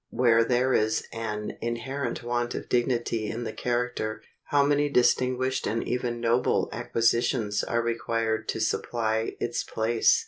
Where there is an inherent want of dignity in the character, how many distinguished and even noble acquisitions are required to supply its place!